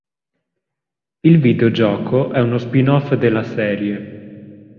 Il videogioco è uno spin-off della serie.